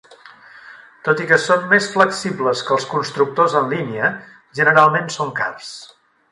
Tot i que són més flexibles que els constructors en línia, generalment són cars.